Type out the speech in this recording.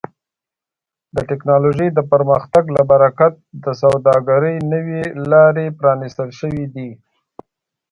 د ټکنالوژۍ د پرمختګ له برکت د سوداګرۍ نوې لارې پرانیستل شوي دي.